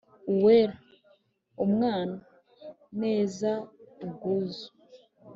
Uweera, umwaana, neeza, ubwuuzu